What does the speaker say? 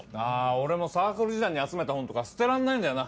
俺もサークル時代に集めた本とか捨てらんないんだよな。